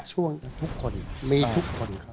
ช่วงทุกคนมีทุกคนครับ